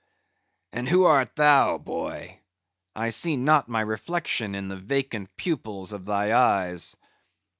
"And who art thou, boy? I see not my reflection in the vacant pupils of thy eyes.